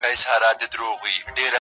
توري شپې لا ګوري په سهار اعتبار مه کوه،